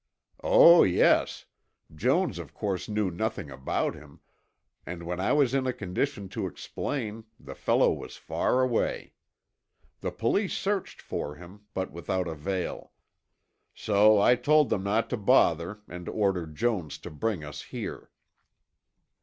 "Oh, yes, Jones of course knew nothing about him, and when I was in a condition to explain, the fellow was far away. The police searched for him, but without avail. So I told them not to bother and ordered Jones to bring us here."